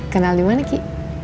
kenal dimana ki